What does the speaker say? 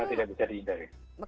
karena tidak bisa dihindari